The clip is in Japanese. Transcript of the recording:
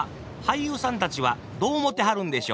俳優さんたちはどう思てはるんでしょう？